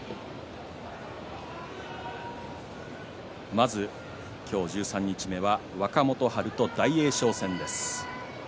まず今日、十三日目は若元春と大栄翔戦です。